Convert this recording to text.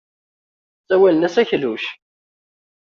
Sawalen-as akluc.